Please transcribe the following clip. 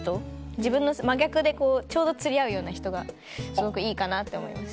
自分の真逆でこうちょうど釣り合うような人がすごくいいかなって思います。